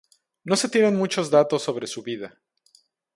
No se tienen muchos datos sobre su vida.